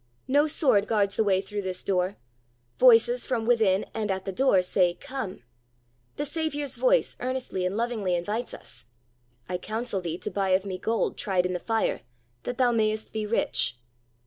No sword guards the way through this door. Voices from within and at the door say, Come. The Saviour's voice earnestly and lovingly invites us: "I counsel thee to buy of Me gold tried in the fire, that thou may est be rich."